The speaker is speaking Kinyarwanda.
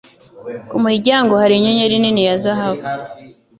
Ku muryango hari inyenyeri nini ya zahabu.